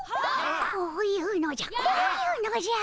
こういうのじゃこういうのじゃ。